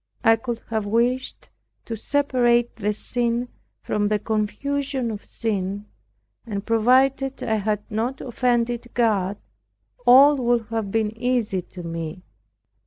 I could have wished to separate the sin from the confusion of sin, and provided I had not offended God, all would have been easy to me.